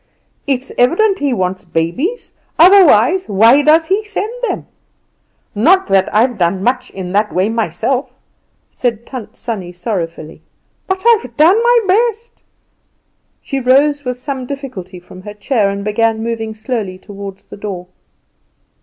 It's evident He wants babies, otherwise why does He send them? Not that I've done much in that way myself," said Tant Sannie, sorrowfully; "but I've done my best." She rose with some difficulty from her chair, and began moving slowly toward the door.